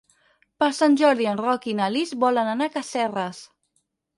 Per Sant Jordi en Roc i na Lis volen anar a Casserres.